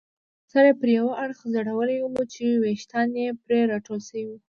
سر یې پر یوه اړخ ځړولی وو چې ویښتان یې پرې راټول شوي وو.